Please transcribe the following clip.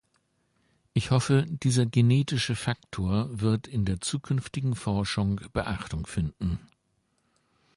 Ich hoffe, dieser genetische Faktor wird in der zukünftigen Forschung Beachtung finden.